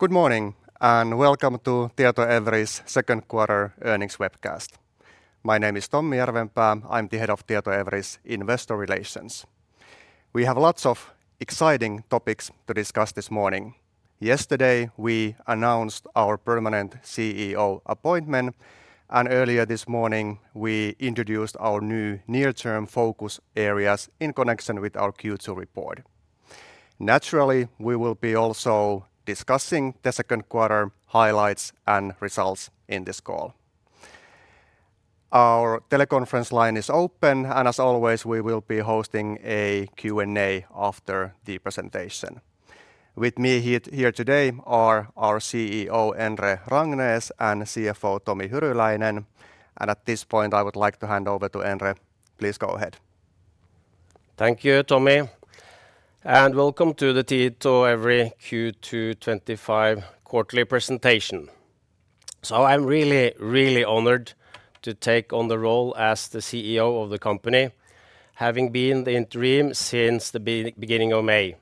Good morning and welcome to Tietoevry's Second Quarter Earnings Webcast. My name is Tommi Järvenpää, I'm the Head of Tietoevry Investor Relations. We have lots of exciting topics to discuss this morning. Yesterday we announced our permanent CEO appointment and earlier this morning we introduced our new near term focus areas in connection with our Q2 report. Naturally we will also be discussing the second quarter highlights and results in this call. Our teleconference line is open and as always we will be hosting a Q&A after the presentation. With me here today are our CEO Endre Rangnes and CFO Tomi Hyryläinen and at this point I would like to hand over to Endre. Please go ahead. Thank you Tommi and welcome to the Tietoevry Q2 2025 Quarterly Presentation. I'm really, really honored to take on the role as the CEO of the company, having been in the role since the beginning of May.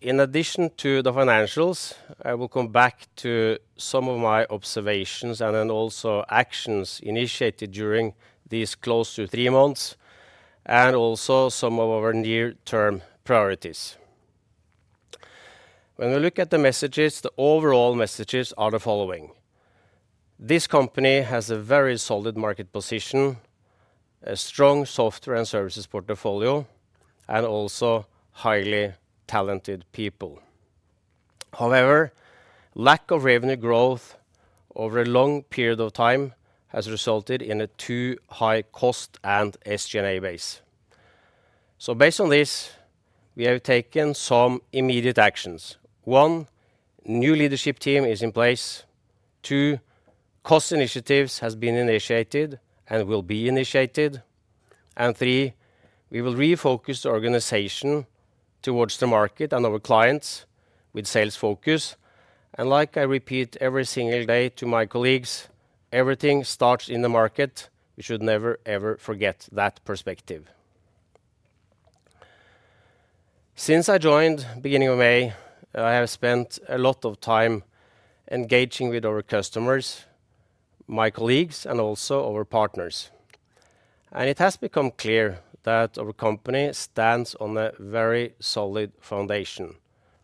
In addition to the financials, I will come back to some of my observations and also actions initiated during these close to three months and some of our near term priorities. When we look at the messages, the overall messages are the following. This company has a very solid market position, a strong Software and Services portfolio, and also highly talented people. However, lack of revenue growth over a long period of time has resulted in a too high cost and SG&A base. Based on this, we have taken some immediate actions. One, new leadership team is in place. Two, cost initiatives have been initiated and will be initiated. Three, we will refocus the organization towards the market and our clients with sales focus. Like I repeat every single day to my colleagues, everything starts in the market. We should never ever forget that perspective. Since I joined at the beginning of May, I have spent a lot of time engaging with our customers, my colleagues, and also our partners. It has become clear that our company stands on a very, very solid foundation.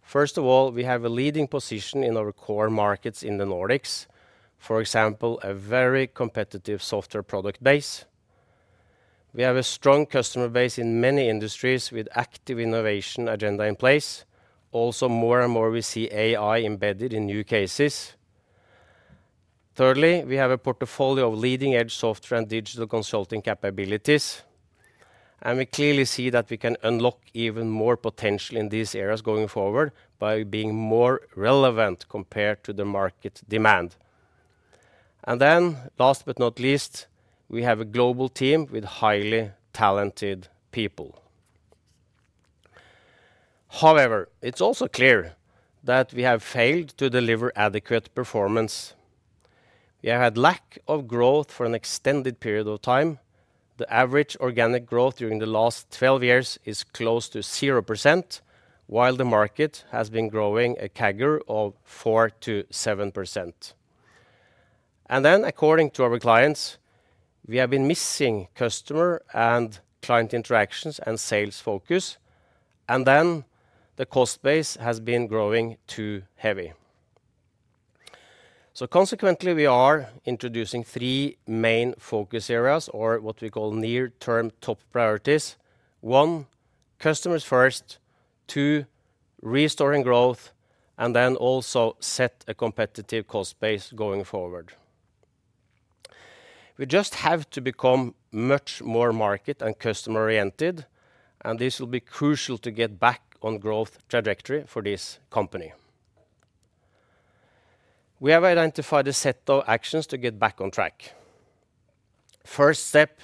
First of all, we have a leading position in our core markets in the Nordics, for example, a very competitive software product base. We have a strong customer base in many industries with an active innovation agenda in place. More and more, we see AI embedded in new cases. Thirdly, we have a portfolio of leading edge software and digital consulting capabilities, and we clearly see that we can unlock even more potential in these areas going forward by being more relevant compared to the market demand. Last but not least, we have a global team with highly talented people. However, it's also clear that we have failed to deliver adequate performance. We have had lack of growth for an extended period of time. The average organic growth during the last 12 years is close to 0% while the market has been growing a CAGR of 4%-7%. According to our clients, we have been missing customer and client interactions and sales focus. The cost base has been growing too heavy. Consequently, we are introducing three main focus areas, or what we call near term top priority: 1. customers first, 2. restoring growth, and also set a competitive cost base going forward. We just have to become much more market and customer oriented, and this will be crucial to get back on growth trajectory for this company. We have identified a set of actions to get back on track. First step,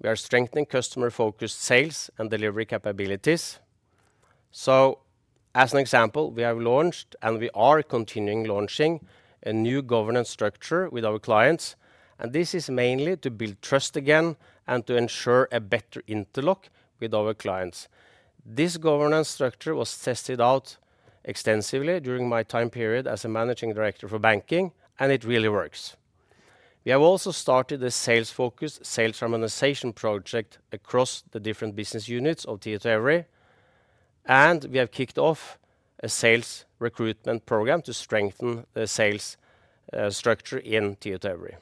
we are strengthening customer-focused sales and delivery capabilities. As an example, we have launched and we are continuing launching a new governance structure with our clients, and this is mainly to build trust again and to ensure a better interlock with our clients. This governance structure was tested out extensively during my time period as a Managing Director for Banking, and it really works. We have also started a sales-focused sales harmonization project across the different business units of Tietoevry, and we have kicked off a sales recruitment program to strengthen the sales structure in Tietoevry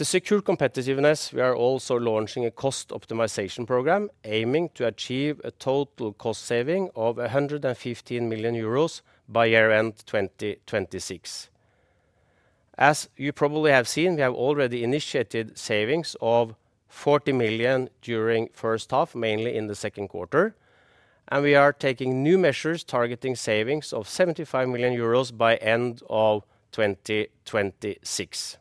to secure competitiveness. We are also launching a cost optimization program aiming to achieve a total cost saving of 115 million euros by year end 2026. As you probably have seen, we have already initiated savings of 40 million during first half, mainly in the second quarter, and we are taking new measures targeting savings of 75 million euros by end of 2026.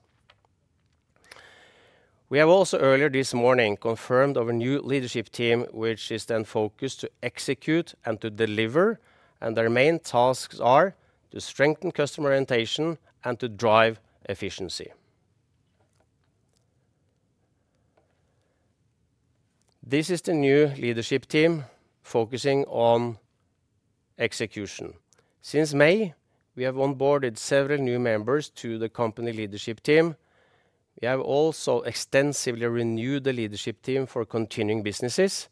We have also earlier this morning confirmed our new leadership team, which is then focused to execute and to deliver, and their main tasks are to strengthen customer orientation and to drive efficiency. This is the new leadership team focusing on execution. Since May, we have onboarded several new members to the company leadership team. We have also extensively renewed the leadership team for continuing businesses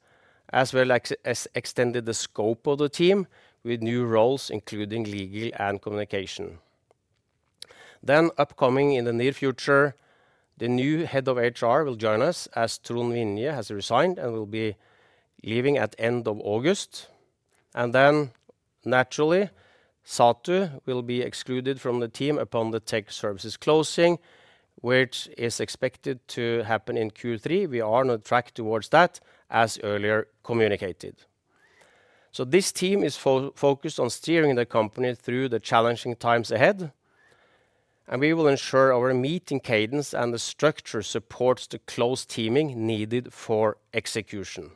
as well as extended the scope of the team with new roles, including Legal and Communication. Upcoming in the near future, the new Head of HR will join us as Trond Vinje has resigned and will be leaving at end of August, and naturally Satu will be excluded from the team upon the Tech Services closing, which is expected to happen in Q3. We are on track towards that as earlier communicated. This team is focused on steering the company through the challenging times ahead, and we will ensure our meeting cadence and the structure supports the close teaming needed for execution.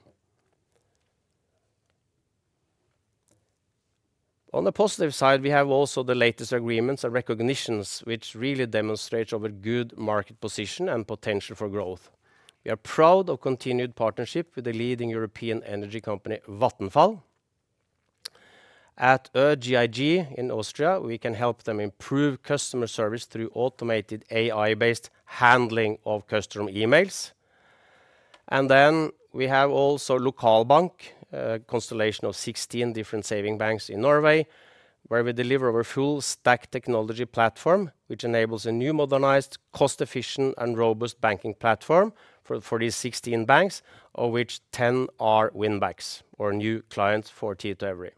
On the positive side, we have also the latest agreements and recognitions, which really demonstrate our good market position and potential for growth. We are proud of continued partnership with the leading European energy company Vattenfall. At öGIG in Austria, we can help them improve customer service through automated AI-based handling of customer emails. We also have the Lokalbank constellation of 16 different savings banks in Norway, where we deliver our full stack technology platform, which enables a new modernized, cost-efficient, and robust Banking platform for these 16 banks, of which 10 are winbacks or new clients for Tietoevry.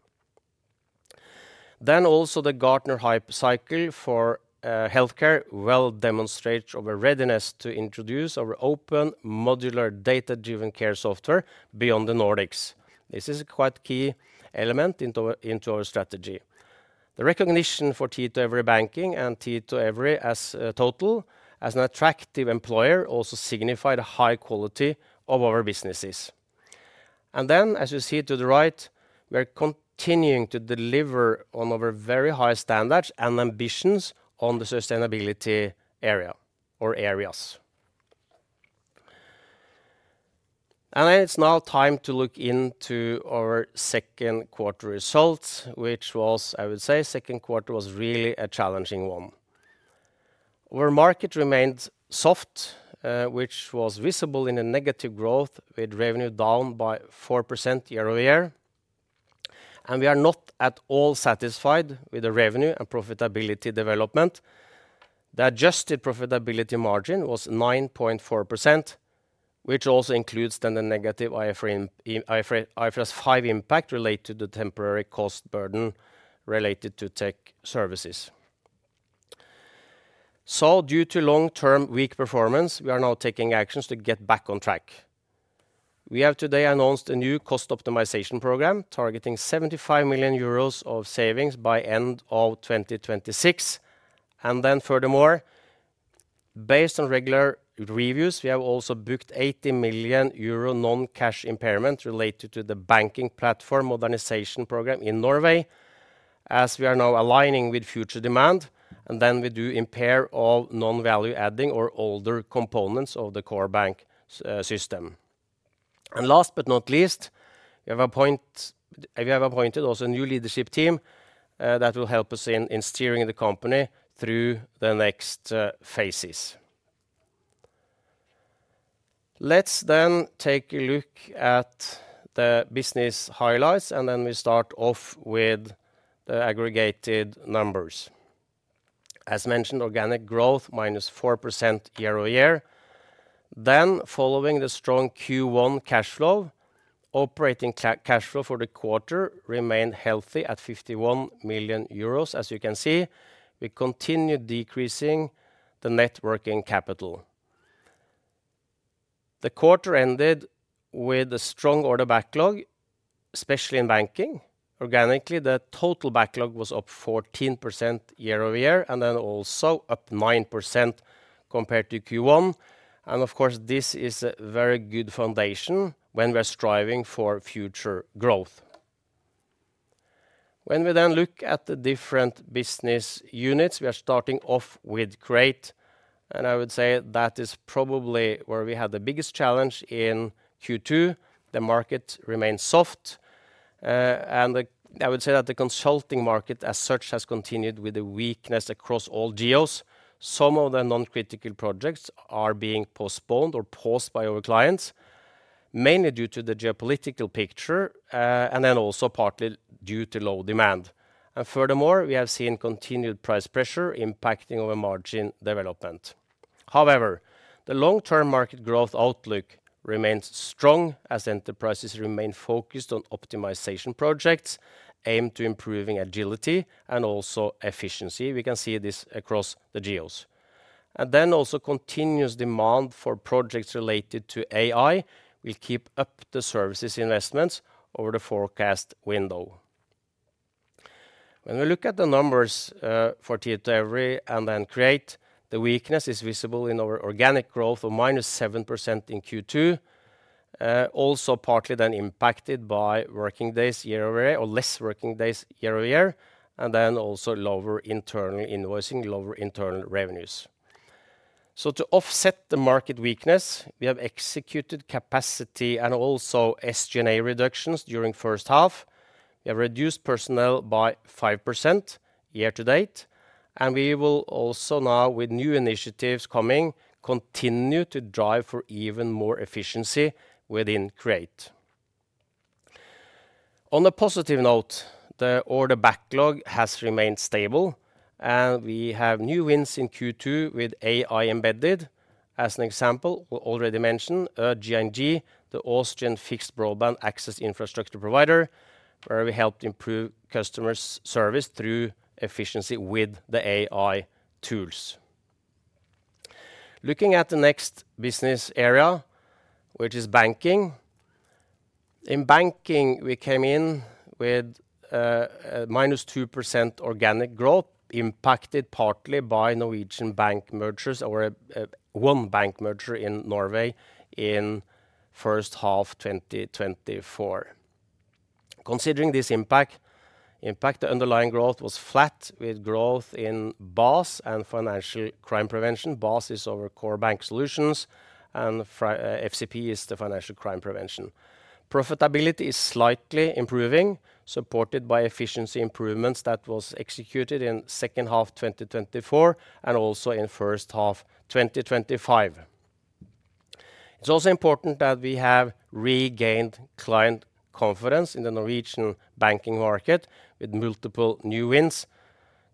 The Gartner Hype Cycle for healthcare well demonstrates our readiness to introduce our open, modular, data-driven Care software beyond the Nordics. This is quite a key element in our strategy. The recognition for Tietoevry Banking and Tietoevry as a whole as an attractive employer also signifies high quality of our businesses. As you see to the right, we're continuing to deliver on our very high standards and ambitions in the sustainability area. It is now time to look into our second quarter results, which was, I would say, a really challenging one. Our market remained soft, which was visible in a negative growth with revenue down by 4% year-over-year, and we are not at all satisfied with the revenue and profitability development. The adjusted profitability margin was 9.4%, which also includes the negative IFRS 5 impact related to the temporary cost burden related to tech services. Due to long-term weak performance, we are now taking actions to get back on track. We have today announced a new cost optimization program targeting 75 million euros of savings by end of 2026. Furthermore, based on regular reviews, we have also booked an 80 million euro non-cash impairment related to the Banking platform modernization program in Norway as we are now aligning with future demand. We do impair all non-value-adding or older components of the core bank system. Last but not least, we have also appointed a new leadership team that will help us in steering the company through the next phases. Let's then take a look at the business highlights, and then we start off with the aggregated numbers. As mentioned, organic growth minus 4% year-over-year. Following the strong Q1 cash flow, operating cash flow for the quarter remained healthy at 51 million euros. As you can see, we continue decreasing the net working capital. The quarter ended with a strong order backlog, especially in Banking. Organically, the total backlog was up 14% year-over-year and also up 9% compared to Q1. This is a very good foundation when we're striving for future growth. When we look at the different business units, we are starting off with Create, and I would say that is probably where we had the biggest challenge in Q2. The market remained soft, and I would say that the consulting market as such has continued with a weakness across all geos. Some of the non-critical projects are being postponed or paused by our clients, mainly due to the geopolitical picture and also partly due to low demand. Furthermore, we have seen continued price pressure impacting our margin development. However, the long-term market growth outlook remains strong as enterprises remain focused on optimization projects aimed at improving agility and efficiency. We can see this across the geos, and continuous demand for projects related to AI will keep up the services investments over the forecast window. When we look at the numbers for Tietoevry and then Create, the weakness is visible in our organic growth of -7% in Q2, also partly impacted by fewer working days year over year and also lower internal invoicing, lower internal revenues. To offset the market weakness, we have executed capacity and also SG&A reductions during the first half. We have reduced personnel by 5% year to date, and we will also now, with new initiatives coming, continue to drive for even more efficiency within Create. On a positive note, the order backlog has remained stable, and we have new wins in Q2 with AI embedded. As an example, we already mentioned öGIG, the Austrian fixed broadband access infrastructure provider, where we helped improve customer service through efficiency with the AI tools. Looking at the next business area, which is Banking. In Banking, we came in with -2% organic growth, impacted partly by Norwegian bank mergers, or one bank merger in Norway in the first half of 2024. Considering this impact, the underlying growth was flat with growth in BaaS and Financial Crime Prevention. BaaS is our core bank solutions, and FCP is the Financial Crime Prevention. Profitability is slightly improving, supported by efficiency improvements that were executed in the second half of 2024 and also in the first half of 2025. It is also important that we have regained client confidence in the Norwegian Banking market with multiple new wins.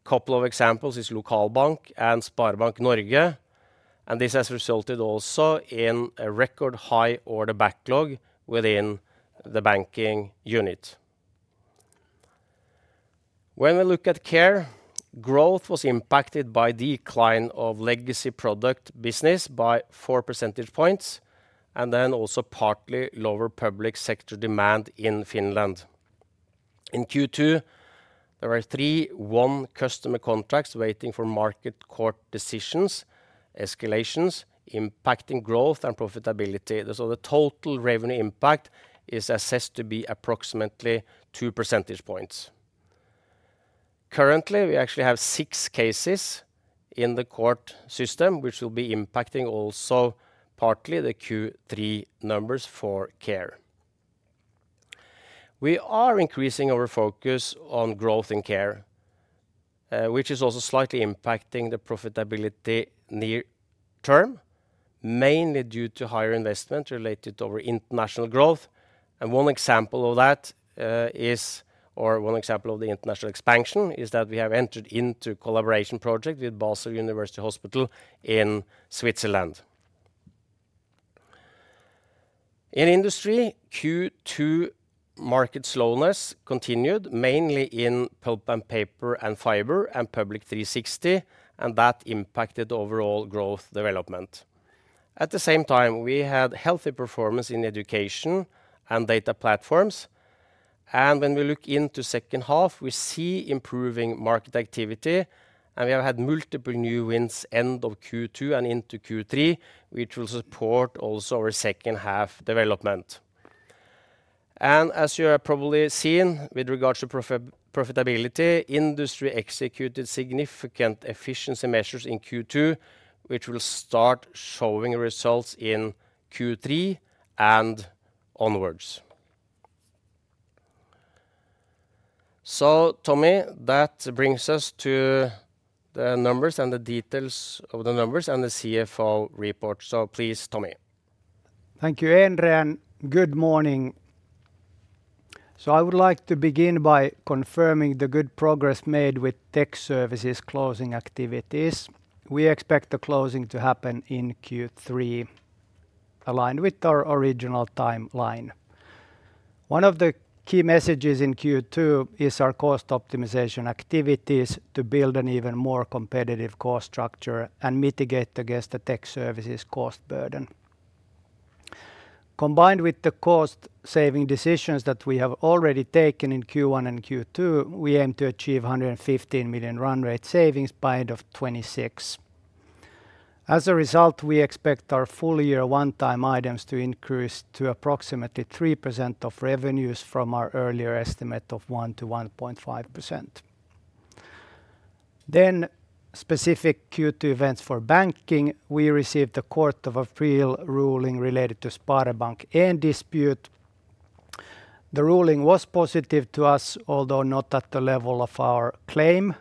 Couple of examples is Lokalbank and SpareBank 1 Norge and this has resulted also in a record high order backlog within the Banking unit. When we look at Care, growth was impacted by decline of legacy product business by 4% and then also partly lower public sector demand. In Finland in Q2 there were three customer contracts waiting for Market Court decisions, escalations impacting growth and profitability. The total revenue impact is assessed to be approximately 2%. Currently we actually have 6 cases in the court system which will be impacting also partly the Q3 numbers for Care. We are increasing our focus on growth in Care which is also slightly impacting the profitability near term mainly due to higher investment related to our international growth. One example of the international expansion is that we have entered into collaboration project with Basel University Hospital in Switzerland. In Industry, Q2 market pulp, paper & fibre and Public 360 and that impacted overall growth development. At the same time, we had healthy performance in Education and Data platforms and when we look into second half we see improving market activity and we have had multiple new wins end of Q2 and into Q3 which will support also our second half development. As you have probably seen with regards to profitability, Industry executed significant efficiency measures in Q2 which will start showing results in Q3 and onwards. Tomi, that brings us to the numbers and the details of the numbers and the CFO report. Please, Tomi, thank you. Good morning. I would like to begin by confirming the good progress made with Tech Services closing activities. We expect the closing to happen in Q3, aligned with our original timeline. One of the key messages in Q2 is our cost optimization activities to build an even more competitive cost structure and mitigate against the Tech Services cost burden. Combined with the cost saving decisions that we have already taken in Q1 and Q2, we aim to achieve 115 million run rate savings by end of 2026. As a result, we expect our full year one-time items to increase to approximately 3% of revenues from our earlier estimate of 1%-1.5%. Specific Q2 events for Banking: we received a Court of Appeal ruling related to SpareBank 1 dispute. The ruling was positive to us, although not at the level of our claim.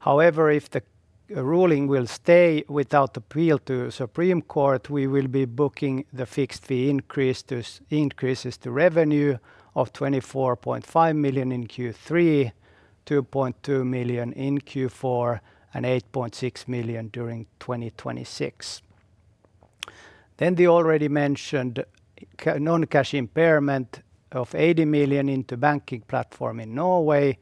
However, if the ruling will stay without appeal to Supreme Court, we will be booking the fixed fee increases to revenue of 24.5 million in Q3, 2.2 million in Q4, and 8.6 million during 2026. The already mentioned non-cash impairment of 80 million into Banking platform in Norway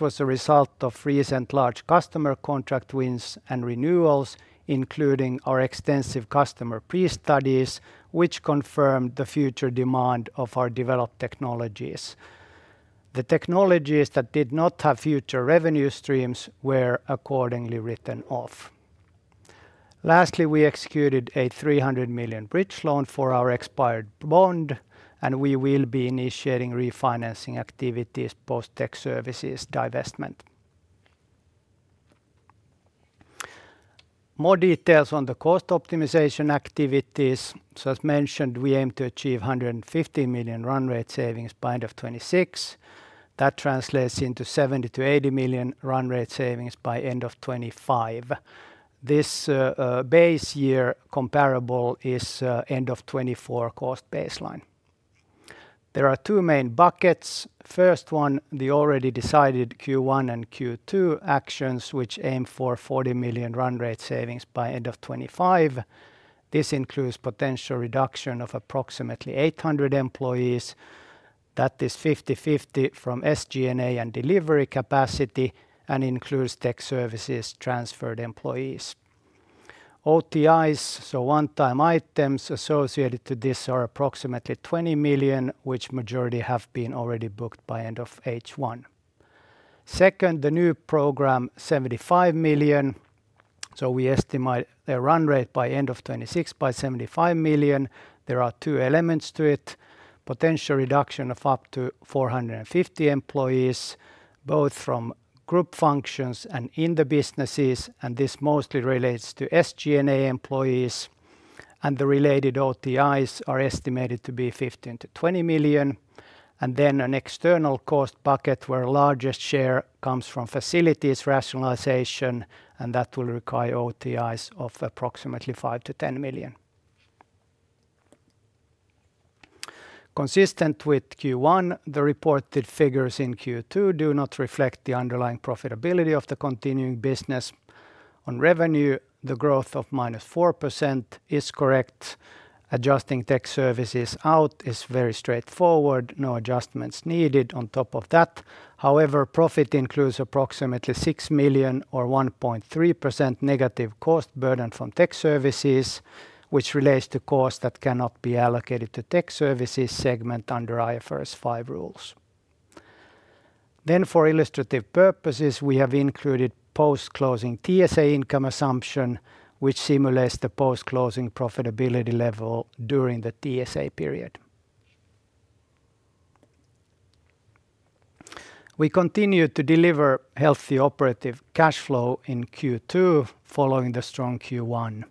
was a result of recent large customer contract wins and renewals, including our extensive customer pre-studies which confirmed the future demand of our developed technologies. The technologies that did not have future revenue streams were accordingly written off. Lastly, we executed a 300 million bridge loan for our expired bond and we will be initiating refinancing activities post Tech Services divestment. More details on the cost optimization activities: as mentioned, we aim to achieve 150 million run rate savings by end of 2026. That translates into 70 million-80 million run rate savings by end of 2025. This base year comparable is end of 2024 cost baseline. There are two main buckets. The first one is the already decided Q1 and Q2 actions which aim for 40 million run rate savings by end of 2025. This includes potential reduction of approximately 800 employees, that is 50/50 from SG&A and delivery capacity, and includes Tech Services transferred employees. One-time items associated to this are approximately 20 million, which majority have been already booked by end of H1. The second, the new program, 75 million, so we estimate their run rate by end of 2026 by 75 million. There are two elements to it: potential reduction of up to 450 employees, both from group functions and in the businesses, and this mostly relates to SG&A employees. The related OTIs are estimated to be 15 million-20 million, and then an external cost bucket where the largest share comes from facilities rationalization, and that will require OTIs of approximately 5 million-10 million. Consistent with Q1, the reported figures in Q2 do not reflect the underlying profitability of the continuing business. On revenue, the growth of -4% is correct. Adjusting Tech Services out is very straightforward, no adjustments needed. On top of that, however, profit includes approximately 6 million or 1.3% negative cost burden from Tech Services, which relates to costs that cannot be allocated to the Tech Services segment under IFRS 5 rules. For illustrative purposes, we have included post-closing TSA income assumption, which simulates the post-closing profitability level during the TSA period. We continue to deliver healthy operative cash flow in Q2. Following the strong Q1,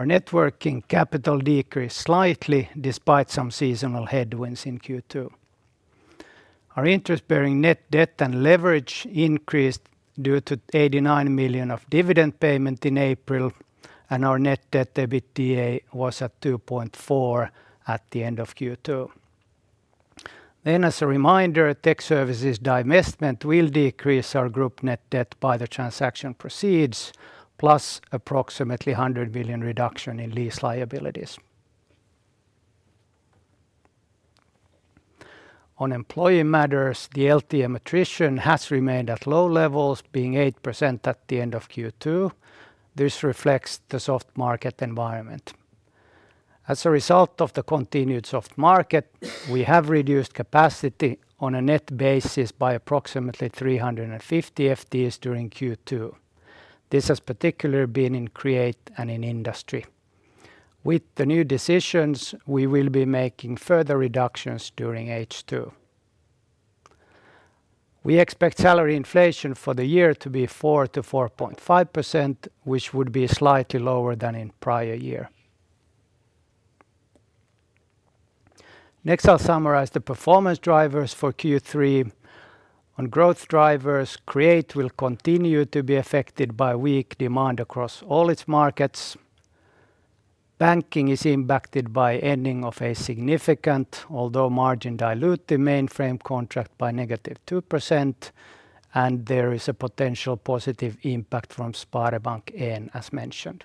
our net working capital decreased slightly despite some seasonal headwinds in Q2. Our interest-bearing net debt and leverage increased due to 89 million of dividend payment in April, and our net debt/EBITDA was at 2.4 at the end of Q2. As a reminder, Tech Services divestment will decrease our group net debt by the transaction proceeds plus approximately 100 million reduction in lease liabilities. On employee matters, the LTM attrition has remained at low levels, being 8% at the end of Q2. This reflects the soft market environment. As a result of the continued soft market, we have reduced capacity on a net basis by approximately 350 FTEs during Q2. This has particularly been in Create and in Industry. With the new decisions, we will be making further reductions during H2. We expect salary inflation for the year to be 4%-4.5%, which would be slightly lower than in the prior year. Next, I'll summarize the performance drivers for Q3. On growth drivers, Create will continue to be affected by weak demand across all its markets. Banking is impacted by ending of a significant, although margin-dilutive, mainframe contract by -2%, and there is a potential positive impact from SpareBank. As mentioned,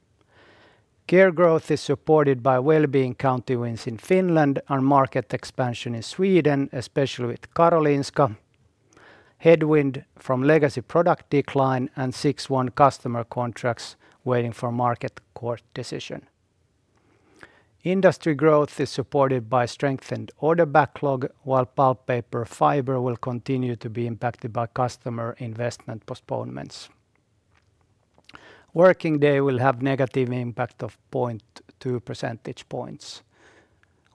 Care growth is supported by well-being county wins in Finland and market expansion in Sweden. Especially with carros.com headwind from legacy product decline and six customer contracts waiting for Market Court decision. Industry growth is supported by strengthened order backlog while pulp, paper, fiber will continue to be impacted by customer investment postponements. Working day will have negative impact of 0.2 percentage points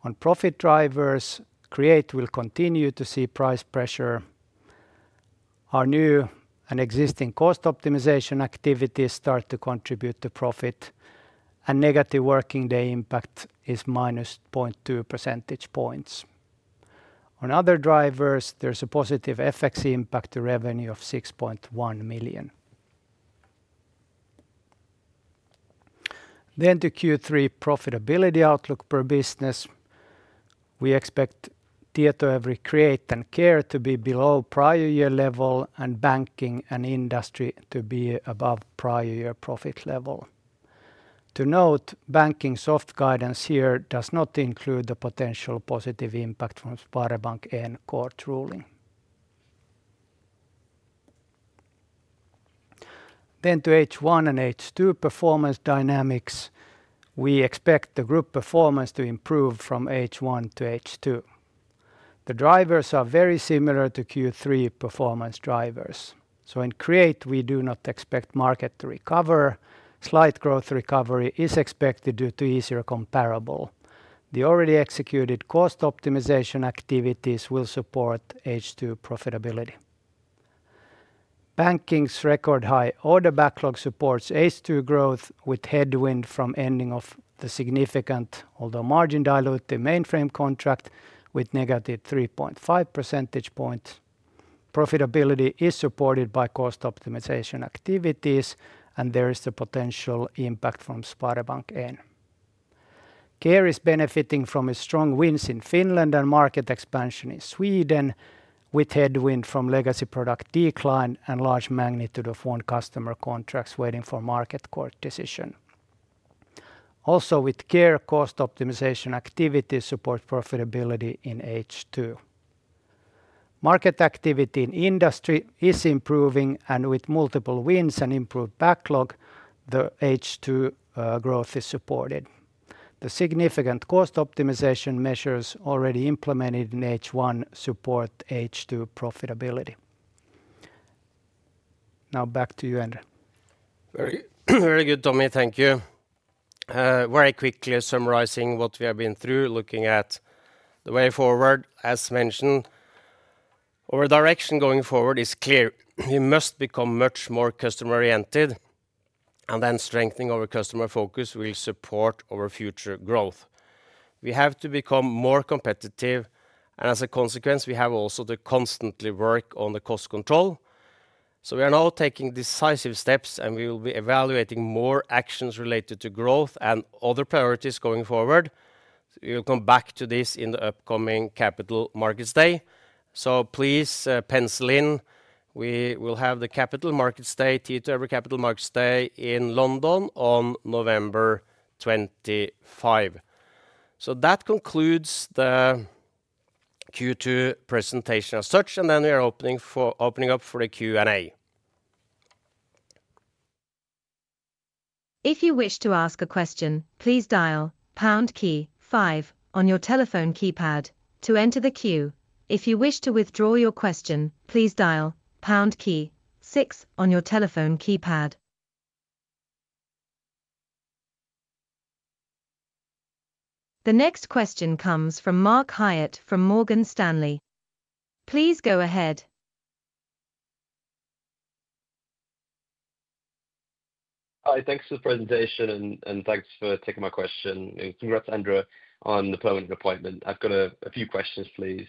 on profit drivers. Create will continue to see price pressure. Our new and existing cost optimization activities start to contribute to profit, and negative working day impact is minus 0.2 percentage points on other drivers. There's a positive FX impact to revenue of 6.1 million. To Q3 profitability outlook per business, we expect Tietoevry Create and Care to be below prior year level and Banking and Industry to be above prior year profit level. To note, Banking soft guidance here does not include the potential positive impact from SpareBank 1 court ruling. To H1 and H2 performance dynamics, we expect the group performance to improve from H1 to H2. The drivers are very similar to Q3 performance drivers. In Create, we do not expect market to recover; slight growth recovery is expected due to easier comparable. The already executed cost optimization activities will support H2 profitability. Banking's record high order backlog supports H2 growth with headwind from ending of the significant, although margin dilutive, mainframe contract with -3.5 percentage points. Profitability is supported by cost optimization activities and there is the potential impact from SpareBank 1. Care is benefiting from strong wins in Finland and market expansion in Sweden with headwind from legacy product decline and large magnitude of one customer contracts waiting for Market Court decision. Also with Care, cost optimization activities support profitability in H2. Market activity in Industry is improving and with multiple wins and improved backlog, the H2 growth is supported. The significant cost optimization measures already implemented in H1 support H2 profitability. Now back to you, Endre. Very good, Tomi. Thank you. Very quickly summarizing what we have been through. Looking at the way forward. As mentioned, our direction going forward is clear. We must become much more customer oriented, and then strengthening our customer focus will support our future growth. We have to become more competitive, and as a consequence, we have also to constantly work on the cost control. We are now taking decisive steps, and we will be evaluating more actions related to growth and other priorities going forward. We will come back to this in the upcoming Capital Markets Day, so please pencil in. We will have the Tietoevry Capital Markets Day in London on November 25, 2024. That concludes the Q2 presentation as such, and we are opening up for a Q&A. If you wish to ask a question, please dial on your telephone keypad to enter the queue. If you wish to withdraw your question, please dial 6 on your telephone keypad. The next question comes from Mark Hyatt from Morgan Stanley. Please go ahead. Hi. Thanks for the presentation and thanks for taking my question. Congrats, Endre, on the permanent appointment. I've got a few questions, please.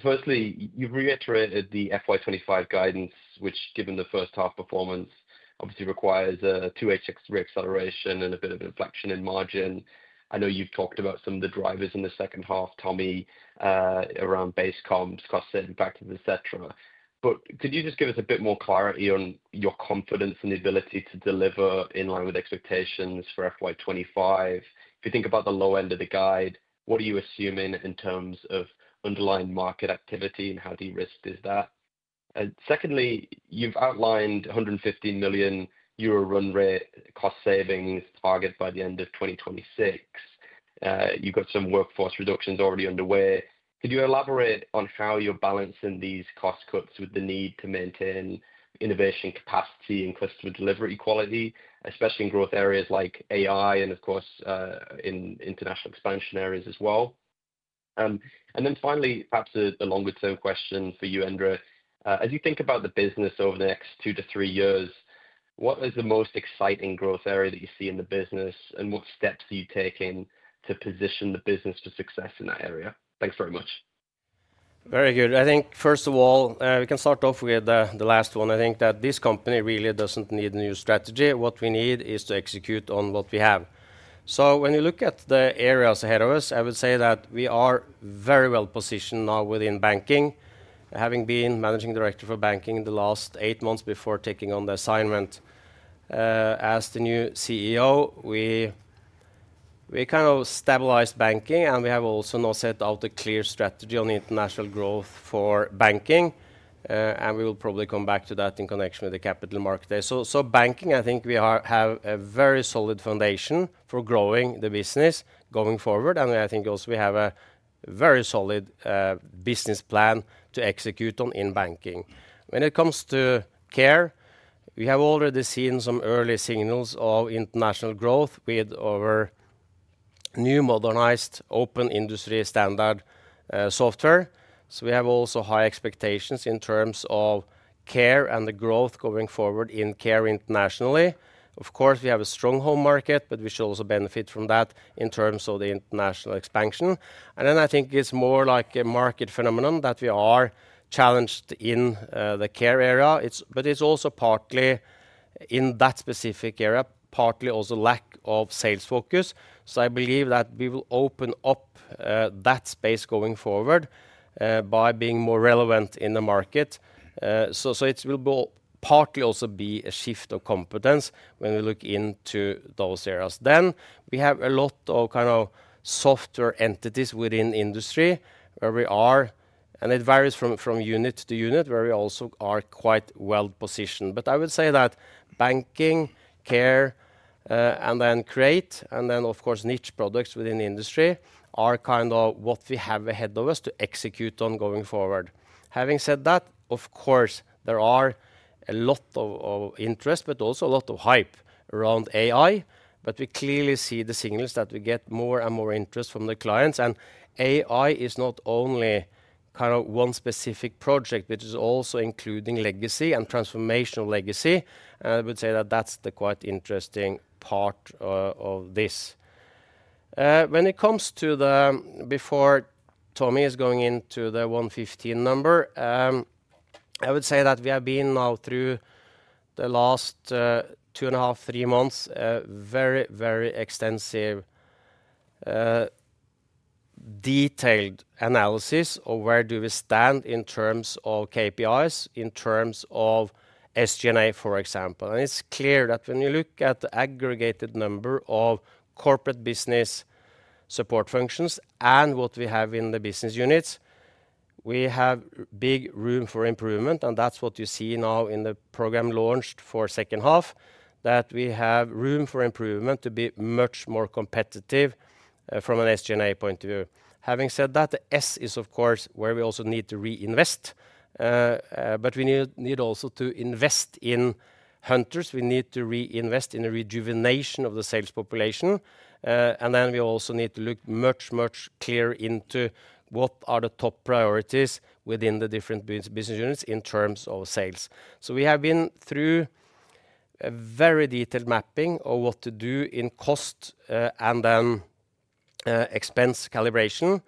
Firstly, you've reiterated the FY25 guidance which given the first half performance obviously requires a 286% acceleration and a bit of inflection in margin. I know you've talked about some of the drivers in the second half, Tomi, around base comps, cost saving factors, etc. Could you just give us a. Bit more clarity on your confidence in the ability to deliver in line with expectations for FY25? If you think about the low end of the guide, what are you assuming in terms of underlying market activity and how de-risked is that? Secondly, you've outlined 115 million euro run rate cost savings target by the end of 2026. You've got some workforce reductions already underway. Could you elaborate on how you're balancing these cost cuts with the need to maintain innovation capacity and customer delivery quality, especially in growth areas like AI and of course in international expansion areas as well. Finally, perhaps a longer-term question for you, Endre, as you think about the business over the next two to three years, what is the most exciting growth area that you see in the business and what steps are you taking to position the business for success in that area? Thanks very much. Very good. I think first of all we can start off with the last one. I think that this company really doesn't need a new strategy. What we need is to execute on what we have. When you look at the areas ahead of us, I would say that we are very well positioned now within Banking. Having been Managing Director for Banking in the last eight months before taking on the assignment as the new CEO, we kind of stabilized Banking and we have also now set out a clear strategy on international growth for Banking and we will probably come back to that in connection with the Capital Market Day. Banking, I think we have a very, very solid foundation for growing the business going forward. I think also we have a very solid business plan to execute on in Banking. When it comes to Care, we have already seen some early signals of international growth with our new modernized open industry standard software. We have also high expectations in terms of Care and the growth going forward in Care internationally. Of course, we have a strong home market, but we should also benefit from that in terms of the international expansion. I think it's more like a market phenomenon that we are challenged in the Care area, but it's also partly in that specific area, partly also lack of sales focus. I believe that we will open up that space going forward by being more relevant in the market. It will partly also be a shift of competence when we look into those areas. We have a lot of kind of software entities within industry where we are and it varies from unit to unit where we also are quite well positioned. I would say that Banking, Care, and then Create, and then of course niche products within the industry are kind of what we have ahead of us to execute on going forward. Having said that, of course there is a lot of interest but also a lot of hype around AI. We clearly see the signals that we get more and more interest from the clients. AI is not only kind of one specific project which is also including legacy and transformational legacy. I would say that that's the quite interesting part of this when it comes to the before Tomi is going into the 115 number, I would say that we have been now through the last two and a half, three months, very, very extensive detailed analysis of where do we stand in terms of KPIs, in terms of SG&A, for example. It is clear that when you look at the aggregated number of corporate business support functions and what we have in the business units, we have big room for improvement. That is what you see now in the program launched for the second half, that we have room for improvement to be much more competitive from an SG&A point of view. Having said that, the S is of course where we also need to reinvest, but we need also to invest in hunters. We need to reinvest in a rejuvenation of the sales population. We also need to look much, much clearer into what are the top priorities within the different business units in terms of sales. We have been through a very detailed mapping of what to do in cost and then expense calibration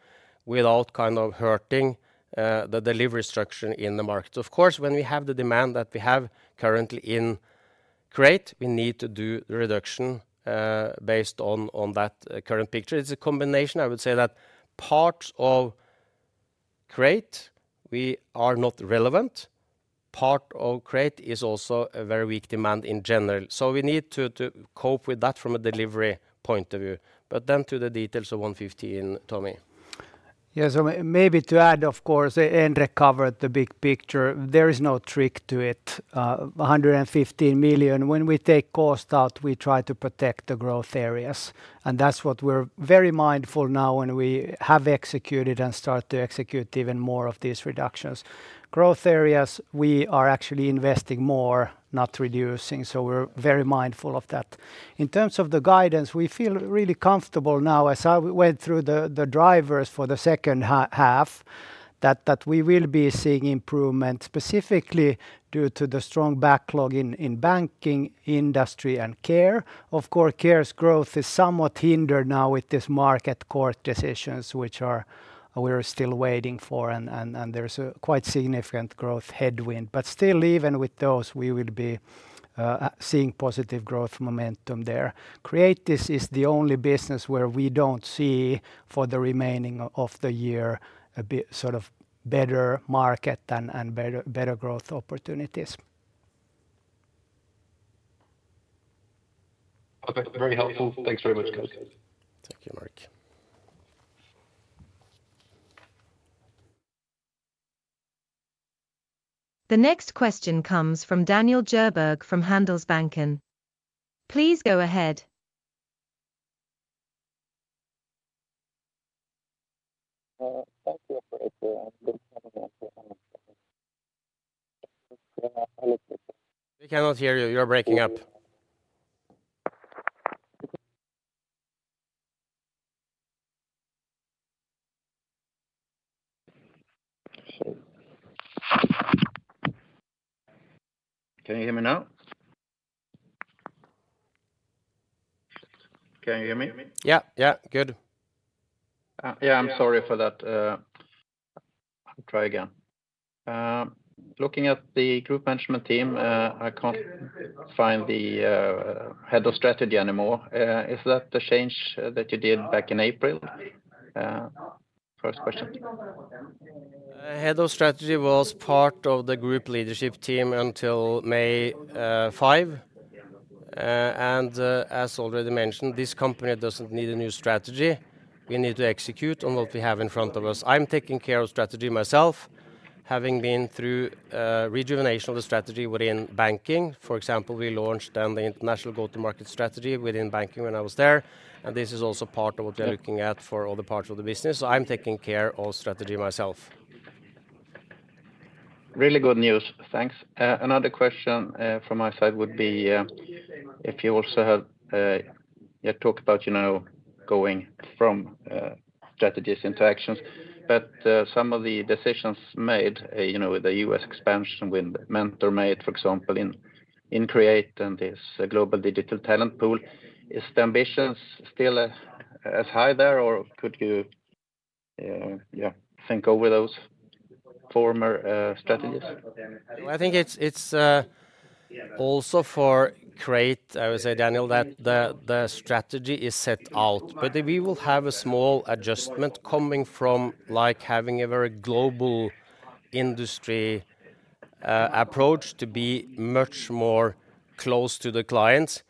without hurting the delivery structure in the market. Of course, when we have the demand that we have currently in Create, we need to do reduction based on that current picture. It is a combination. I would say that parts of Create are not relevant. Part of Create is also a very weak demand in general. We need to cope with that from a delivery point of view. To the details of 115, Tomi. Yes. Maybe to add, of course Endre covered the big picture. There is no trick to it. 115 million. When we take cost out, we try to protect the growth areas and that's what we're very mindful now. When we have executed and start to execute even more of these reductions, growth areas we are actually investing more, not reducing. We're very mindful of that. In terms of the guidance, we feel really comfortable now as I went through the drivers for the second half that we will be seeing improvement specifically due to the strong backlog in Banking Industry and Care. Of course, Care's growth is somewhat hindered now with these Market Court decisions which we are still waiting for. There's quite significant growth headwind. Still, even with those, we will be seeing positive growth momentum there. Create is the only business where we don't see for the remaining of the year a bit sort of better market and better growth opportunities. Very helpful. Thanks very much. Thank you, Mark. The next question comes from Daniel Djurberg from Handelsbanken. Please go ahead. We cannot hear you. You're breaking. Can you hear me now? Can you hear me? Yeah, good. Yeah. I'm sorry for that. Looking at the Group Management Team, I can't find the Head of Strategy anymore. Is that the change that you did back in April? First question. Head of Strategy was part of the group leadership team until May 5th. As already mentioned, this company doesn't need a new strategy. We need to execute on what we have in front of us. I'm taking of strategy myself, having been through rejuvenation of the strategy within Banking. For example, we launched the international go to market strategy within Banking when I was there. This is also part of what they're looking at for other parts of the business. I'm taking of strategy myself. Really good news. Thanks. Another question from my side would be if you also have talked about, you know, going from strategies into actions. Some of the decisions made, you know, with the U.S. expansion with Mentor made, for example, in Create and this global digital talent pool, is the ambitions still as high there or could. You. Think over those former strategies? I think it's also for Create. I would say, Daniel, that the strategy is set out. We will have a small adjustment coming from having a very global industry approach to being much more close to the clients,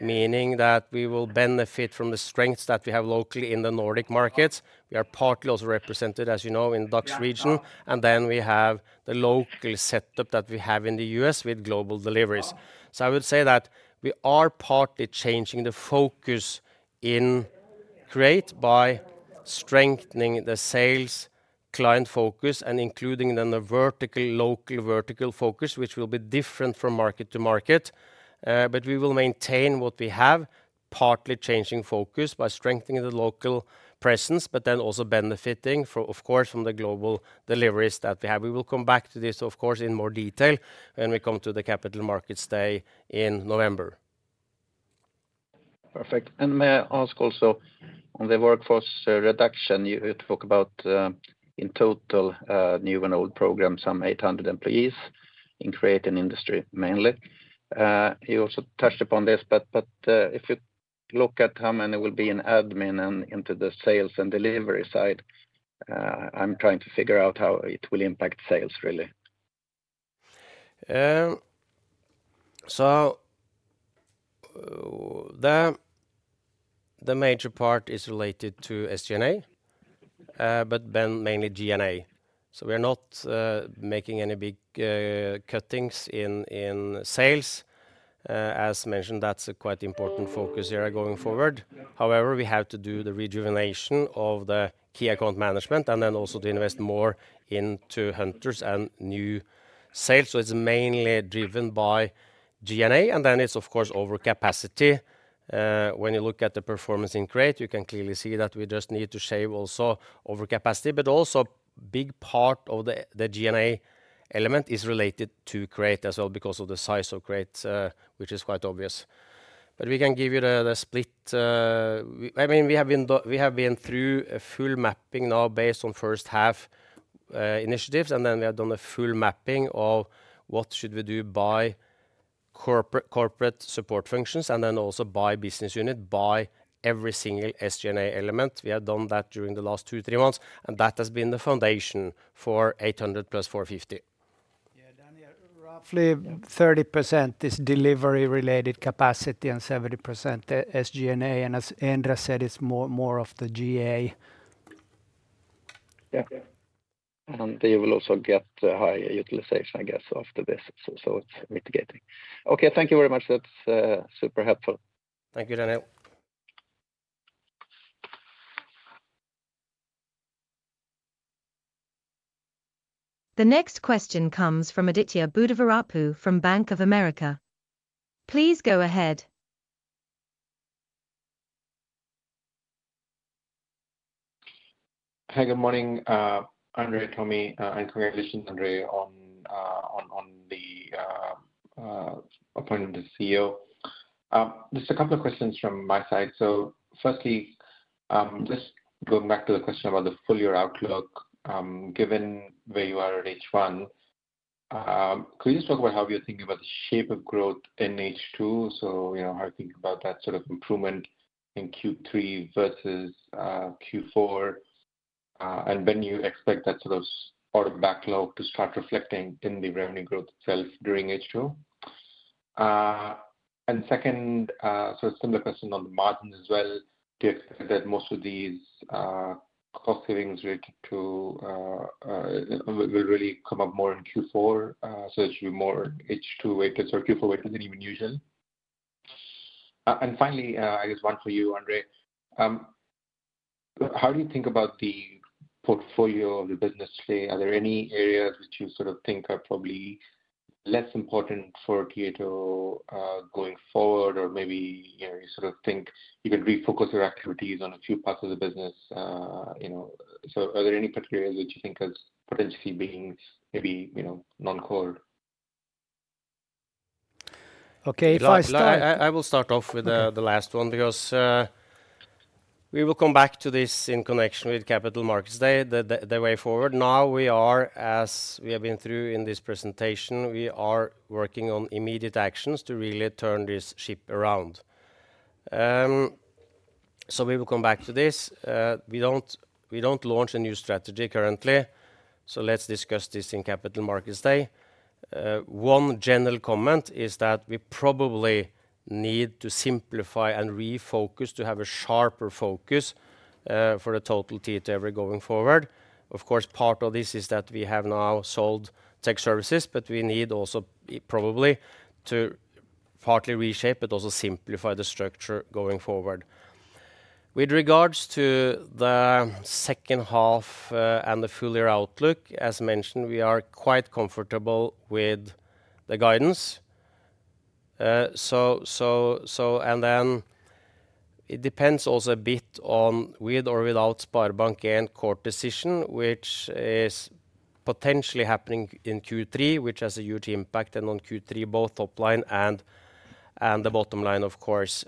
meaning that we will benefit from the strengths that we have locally. In the Nordic markets we are partly also represented, as you know, in Dutch region, and then we have the local setup that we have in the U.S. with global deliveries. I would say that we are partly changing the focus in Create by strengthening the sales client focus and including the local vertical focus, which will be different from market to market. We will maintain what we have, partly changing focus by strengthening the local presence, but also benefiting, of course, from the global deliveries that we have. We will come back to this, of course, in more detail when we come to the Capital Markets Day in November. Perfect. May I ask also on the workforce reduction you talk about, in total new and old program, some 800 employees in Create and Industry mainly. You also touched upon this. If you look at how many will be in admin and into the sales and delivery side, I'm trying to figure out how it will impact sales really. The major part is related to SG&A but then mainly G&A. We are not making any big cuttings in sales as mentioned. That's a quite important focus here. Going forward, however, we have to do the rejuvenation of the key account management and then also to invest more into hunters and new sales. It's mainly driven by G&A, and then it's of course overcapacity. When you look at the performance in Create, you can clearly see that we just need to shave also overcapacity. Also, a big part of the G&A element is related to Create as well because of the size of Create, which is quite obvious. We can give you the split. We have been through a full mapping now based on first half initiatives, and then we have done a full mapping of what should we do by corporate support functions and then also by business unit, by every single SG&A element. We have done that during the last two, three months, and that has been the foundation for 800 + 450. Roughly 30% is delivery related capacity and 70% SG&A. As Endre said, it's more of the GA. Yeah, you will also get high utilization, I guess, after this. It's mitigating. Okay, thank you very much. That's super helpful. Thank you, Daniel. The next question comes from Aditya Buddhavarapu from Bank of America. Please go ahead. Hi, good morning Endre, Tomi, and congratulations Endre on the appointment as CEO. Just a couple of questions from my side. Firstly, just going back to the question about the full year outlook, given where you are at H1, could you just talk about how you're thinking about the shape of growth in H2, how you think about that sort of improvement in Q3 versus Q4, and when you expect that sort of backlog to start reflecting in the revenue growth itself during H2? Second, similar question on the margin as well. Do you expect that most of these cost savings related to will really come up more in Q4? There should be more H2 weighted or Q4 weighted than even usual. Finally, I guess one for you Endre. How do you think about the portfolio of the business today? Are there any areas which you sort of think are probably less important for Tietoevry going forward, or maybe you sort of think you can refocus your activities on a few parts of the business? Are there any particular that you think as potentially being maybe non-core? Okay, I will start. Off with the last one because we will come back to this in connection with Capital Markets Day. The way forward now, as we have been through in this presentation, we are working on immediate actions to really turn this ship around. We will come back to this. We don't launch a new strategy currently. Let's discuss this in Capital Markets Day. One general comment is that we probably need to simplify and refocus to have a sharper focus for the total Tietoevry going forward. Of course, part of this is that we have now sold Tech Services, but we need also probably to partly reshape but also simplify the structure going forward. With regards to the second half and the full year outlook, as mentioned, we are quite comfortable with the guidance and then it depends also a bit on with or without SpareBank and court decision, which is potentially happening in Q3, which has a huge impact on Q3 both top line and the bottom line, of course.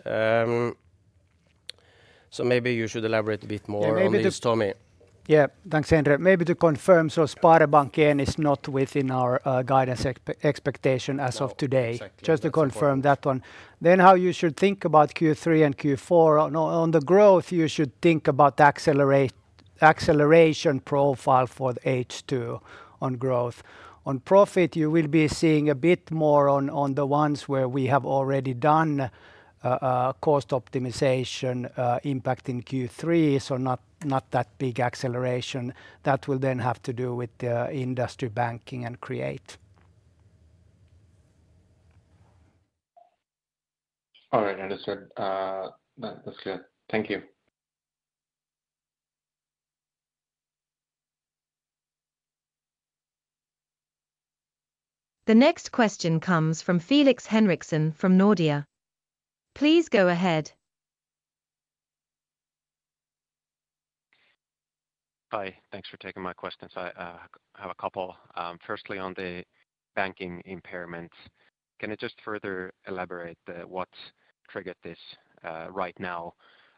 Maybe you should elaborate a bit more on this, Tomi. Yeah, thanks Endre. Maybe to confirm. SpareBank is not within our guidance expectation as of today. Just to confirm that one, then how you should think about Q3 and Q4 on the growth. You should think about acceleration profile for H2 on growth on profit. You will be seeing a bit more on the ones where we have already done cost optimization impact in Q3, so not that big acceleration. That will then have to do with the Industry, Banking, and Create. All right, understood. Thank you. The next question comes from Felix Henriksson from Nordea. Please go ahead. Hi, thanks for taking my questions. I have a couple. Firstly, on the Banking impairment, can you. just further elaborate what triggered this right now?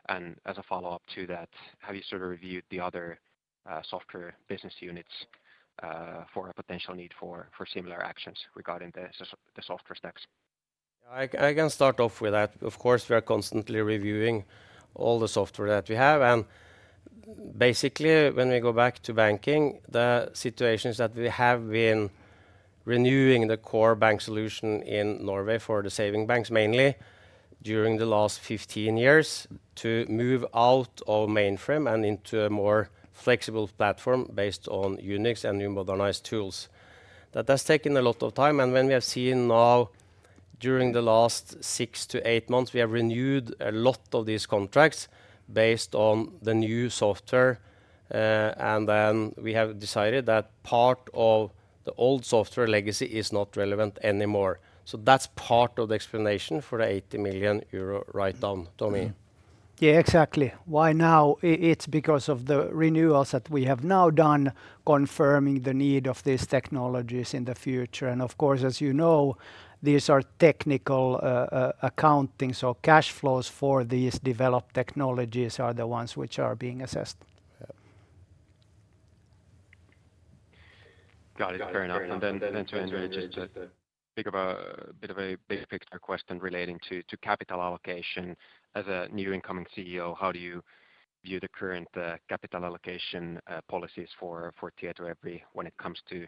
Have you sort of reviewed the other software business units for a potential need for similar actions regarding the software stacks? I can start off with that. Of course, we are constantly reviewing all the software that we have, and basically, when we go back to Banking, the situation is that we have been renewing the core bank solution in Norway for the saving banks mainly during the last 15 years to move out of mainframe and into a more flexible platform based on Unix and new modernized tools. That has taken a lot of time. During the last six to eight months, we have renewed a lot of these contracts based on the new software. We have decided that part of the old software legacy is not relevant anymore. That's part of the explanation for the 80 million euro write-down, Tomi. Yeah, exactly. Why now? It's because of the renewals that we have now done, confirming the need of these technologies in the future. Of course, as you know, these are technical accounting. Cash flows for these developed technologies are the ones which are being assessed. Got it. Fair enough. A bit of a big picture question relating to capital allocation. As a new incoming CEO, how do you. You view the current capital allocation policies for Tietoevry when it comes to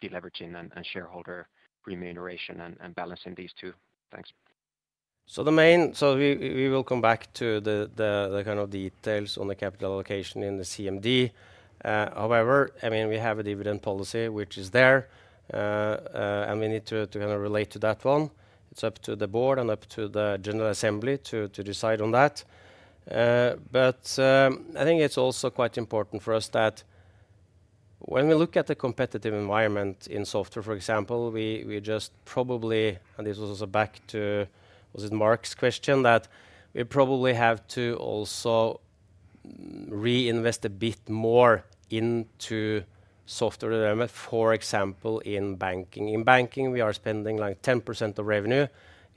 deleveraging and shareholder remuneration and balancing these two. Thanks. We will come back to the kind of details on the capital allocation in the CMD. However, I mean we have a dividend policy which is there and we need to relate to that one. It's up to the Board and up to the General Assembly to decide on that. I think it's also quite important for us that when we look at the competitive environment in software, for example, we just probably, and this was back to was it Mark's question, that we probably have to also reinvest a bit more into software development. For example, in Banking, we are spending like 10% of revenue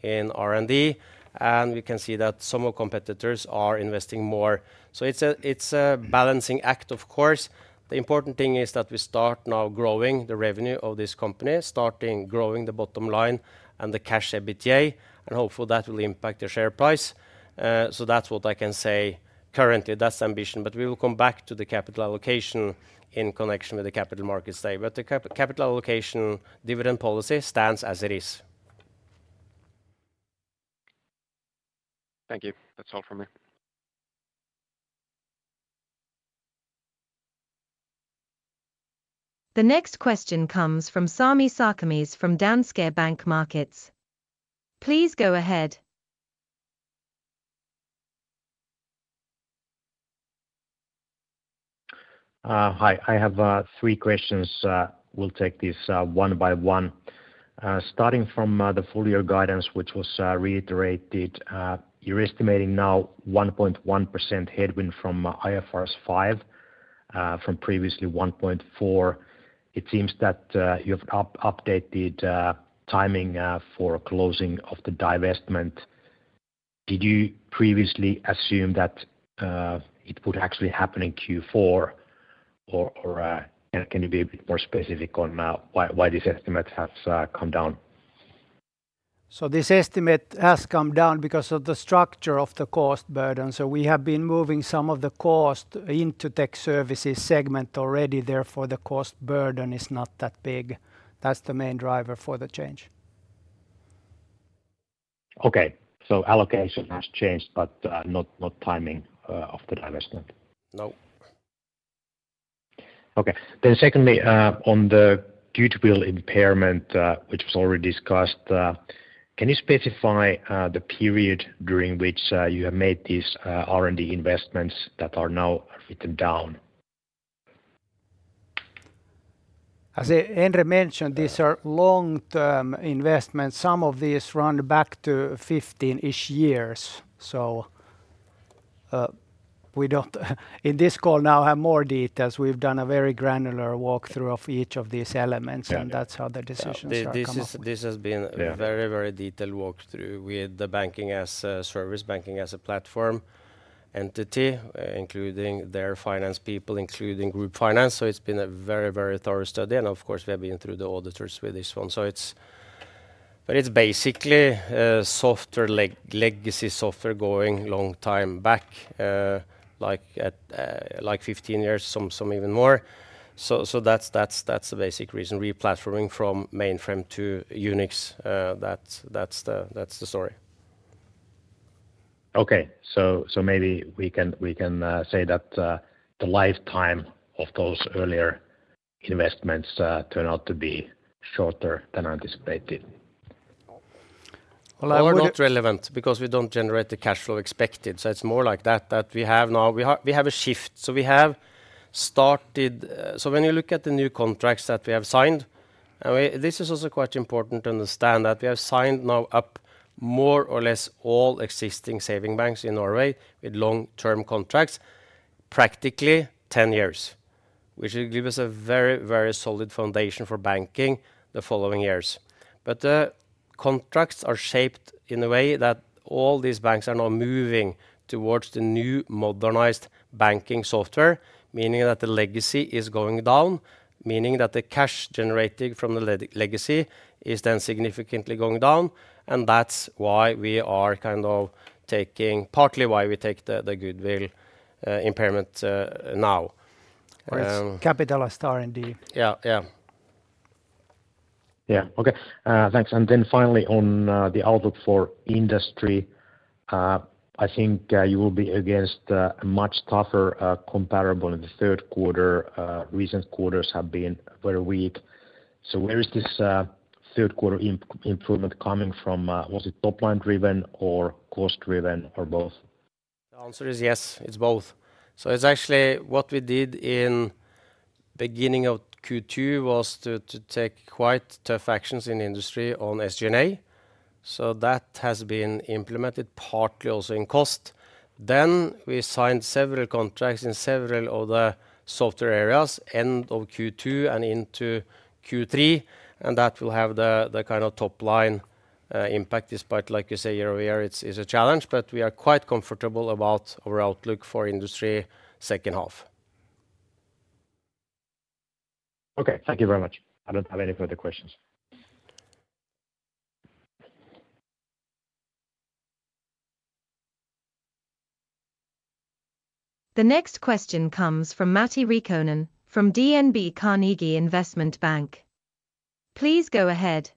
in R&D and we can see that some of competitors are investing more. It's a balancing act. Of course, the important thing is that we start now growing the revenue of this company, start growing the bottom line and the cash EBITDA, and hopefully that will impact the share price. That's what I can say currently, that's the ambition. We will come back to the capital allocation in connection with the Capital Markets Day. The capital allocation dividend policy stands as it is. Thank you. That's all from me. The next question comes from Sami Sarkamies from Danske Bank Markets. Please go ahead. Hi. I have three questions. We'll take this one by one. Starting from the full year guidance which was reiterated. You're estimating now 1.1% headwind from IFRS 5 from previously 1.4%. It seems that you've updated timing for closing of the divestment. Did you previously assume that it would actually happen in Q4, or can you be more specific on why this estimate has come down? This estimate has come down because of the structure of the cost burden. We have been moving some of the cost into Tech Services segment already, therefore the cost burden is not that big. That's the main driver for the change. Okay, so allocation has changed but not timing of the divestment? No. Okay, then secondly, on the duty bill impairment which was already discussed, can you specify the period during which you have made these R&D investments that are now written down? As Endre mentioned, these are long-term investments. Some of these run back to 15-ish years. So. We don't in this call now have more details. We've done a very granular walkthrough of each of these elements, and that's how the decisions are. This has been very, very detailed walkthrough with the Banking as a service, Banking as a platform entity, including their finance people, including Group Finance. It's been a very, very thorough study, and of course we have been through the auditors with this one. It's basically software, legacy software going long time back, like 15 years, some even more. That's the basic reason, re-platforming from mainframe to Unix, that's the story. Maybe we can say that the lifetime of those earlier investments turn out to be shorter than anticipated. It's not relevant because we don't generate the cash flow expected. It's more like that, that we have now, we have a shift. We have started. When you look at the new contracts that we have signed, this is also quite important to understand that we have signed now up more or less all existing saving banks in Norway with long-term contracts, practically 10 years, which will give us a very, very solid foundation for Banking the following years. The contracts are shaped in a way that all these banks are now moving towards the new modernized Banking software, meaning that the legacy is going down, meaning that the cash generated from the legacy is then significantly going down. That's partly why we take the goodwill impairment now. Capitalized R&D. Yeah, yeah. Yeah. Okay, thanks. Finally, on the outlook for industry, I think you will be against much tougher comparable in the third quarter. Recent quarters have been very weak. Where is this third quarter improvement coming from? Was it top line driven or cost driven or both? The answer is yes, it's both. What we did in beginning of Q2 was to take quite tough actions in Industry on SG&A. That has been implemented partly also in cost. We signed several contracts in several of the software areas end of Q2 and into Q3, and that will have the kind of top line impact. Despite, like you say, you're aware it's a challenge, we are quite comfortable about our outlook for industry second half. Okay, thank you very much. I don't have any further questions. The next question comes from Matti Riikonen from DNB Carnegie Investment Bank. Please go ahead.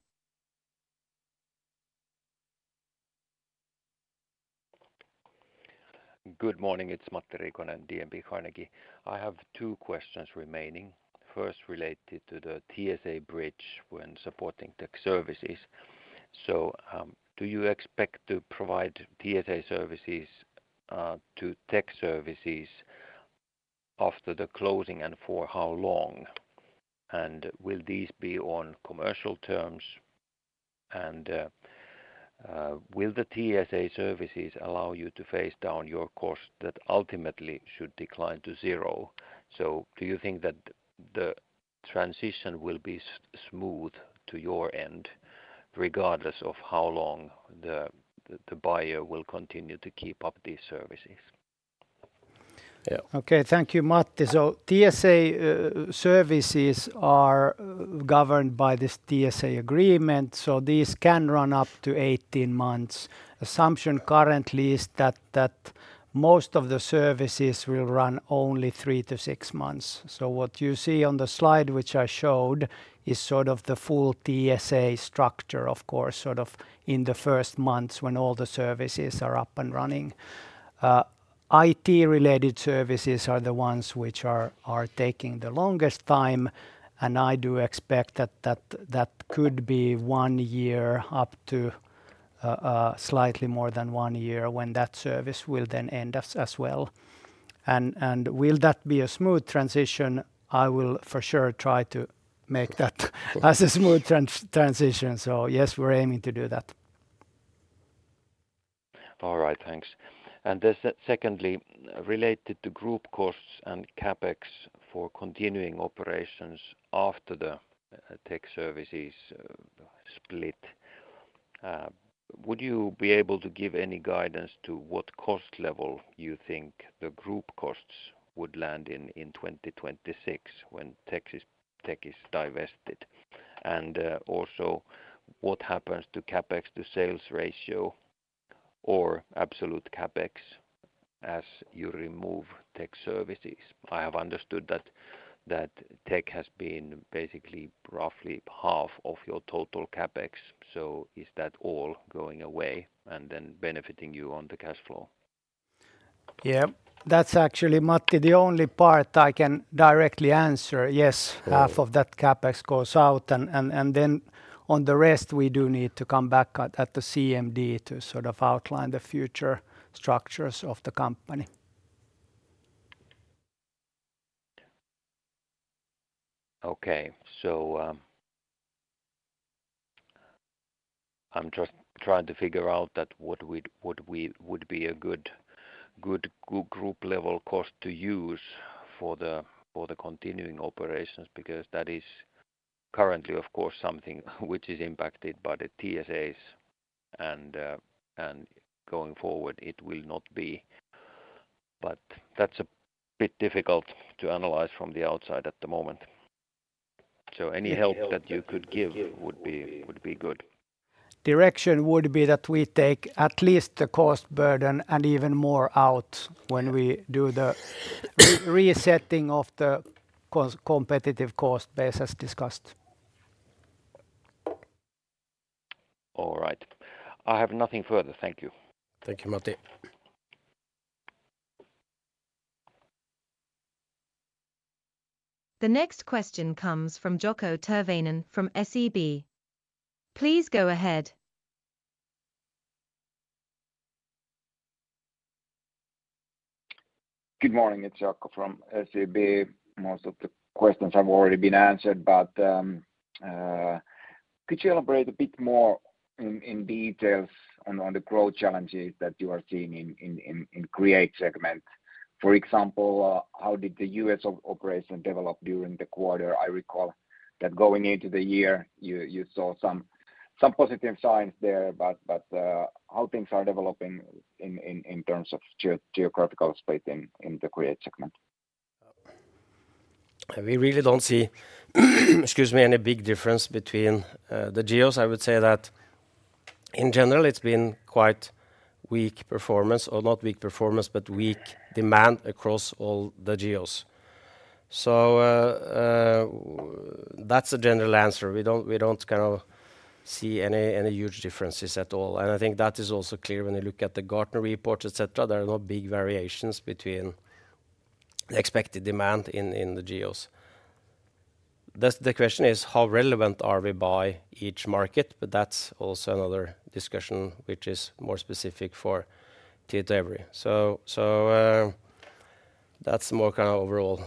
Good morning, it's Matti Riikonen, DNB Carnegie. I have two questions remaining. First, related to the TSA bridge when supporting Tech Services. Do you expect to provide TSA services to Tech Services after the closing and for how long? Will these be on commercial terms? Will the TSA services allow you to phase down your cost that ultimately should decline to zero? Do you think that the transition will be smooth to your end regardless of how long the buyer will continue to keep up these services? Thank you, Matt. TSA services are governed by this TSA agreement. These can run up to 18 months. Assumption currently is that most of the services will run only three to six months. What you see on the slide which I showed is sort of the full TSA structure. Of course, in the first months when all the services are up and running, IT related services are the ones which are taking the longest time. I do expect that could be one year, up to slightly more than one year when that service will then end as well. Will that be a smooth transition? I will for sure try to make that as a smooth transition. Yes, we're aiming to do that. All right, thanks. Secondly, related to group costs and CapEx for continuing operations after the Tech Services split, would you be able to give any guidance to what cost level you think the group costs would land in 2026 when Tech is divested? Also, what happens to CapEx to sales ratio or absolute CapEx as you remove Tech Services? I have understood that Tech has been basically roughly half of your total CapEx. Is that all going away and then benefiting you on the cash flow? Yeah, that's actually Matti, the only part I can directly answer. Yes, half of that CapEx goes out, and then on the rest we do need to come back at the CMD to sort of outline the future structures of the company. Okay. I'm just trying to figure out what would be a good group level cost to use for the continuing operations because that is currently of course something which is impacted by the TSAs, and going forward it will not be. That's a bit difficult to analyze from the outside at the moment. Any help that you could give. Would be good direction would be that we take at least the cost burden and even more out when we do the resetting of the competitive cost base discussed. All right, I have nothing further. Thank you. Thank you, Matti. The next question comes from Jaakko Tyrväinen from SEB. Please go ahead. Good morning, it's Jaakko from SEB. Most of the questions have already been answered, but could you elaborate a bit more in detail on the growth challenges that you are seeing in the Create segment? For example, how did the U.S. operation develop during the quarter? I recall that going into the year you saw some positive signs there. How are things developing in terms of geographical split in the Create segment? We really don't see, excuse me, any big difference between the geos. I would say that in general it's been quite weak performance or not weak performance but weak demand across all the geos. That's a general answer. We don't kind of see any huge differences at all. I think that is also clear when you look at the Gartner reports, etc. There are no big variations between the expected demand in the geos. The question is how relevant are we by each market. That's also another discussion which is more specific for Tietoevry. So. That's more kind of overall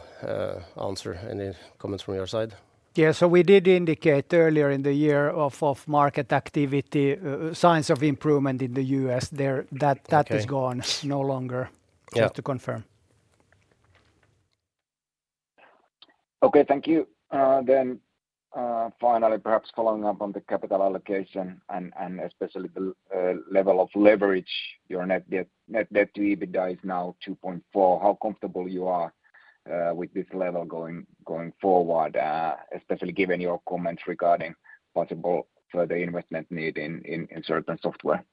answer, and any comments from your side? Yeah, we did indicate earlier in the year of market activity signs of improvement in the U.S. there. That is gone, no longer. Just to confirm. Okay, thank you. Finally, perhaps following up on the capital allocation and especially the level of leverage, your net debt to EBITDA is now 2.4. How comfortable you are with this level going forward, especially given your comments regarding possible further investment need in certain software.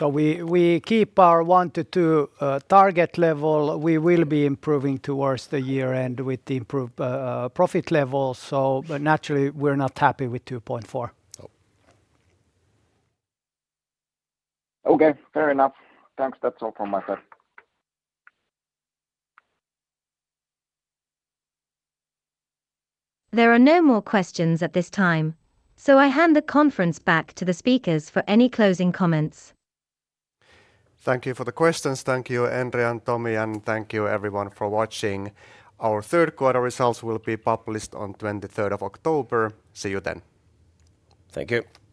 We keep our one to two target level. We will be improving towards the year end with the improved profit level, but naturally we're not happy with 2.4. Okay, fair enough. Thanks. That's all from my side. There are no more questions at this time, so I hand the conference back to the speakers for any closing comments. Thank you for the questions. Thank you, Endre and Tomi, and thank you, everyone, for watching. Our third quarter results will be published on October 23. See you then. Thank you.